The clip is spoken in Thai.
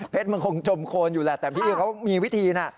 มันคงจมโคนอยู่แหละแต่พี่เขามีวิธีนะ